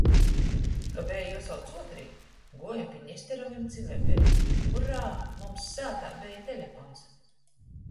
Ka beja juosauc uotrī, guojom pi Nesterovim ci Leperim. Urā, mums sātā beja telepons!